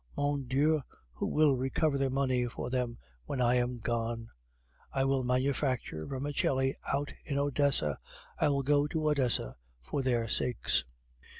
... Mon Dieu! who will recover their money for them when I am gone?... I will manufacture vermicelli out in Odessa; I will go to Odessa for their sakes."